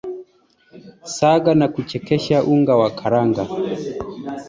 saga na kuchekecha unga wa karanga